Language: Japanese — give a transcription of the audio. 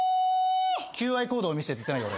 求愛行動見せてって言ってないよ